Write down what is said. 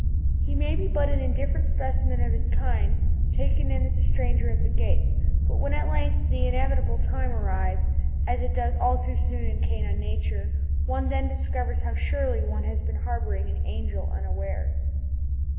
He may be but an indifferent specimen of his kind, taken in as a stranger at the gates; but when at length the inevitable time arrives, as it does all too soon in canine nature, one then discovers how surely one has been harbouring an angel unawares.